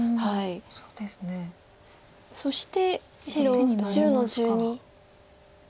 手になりますか。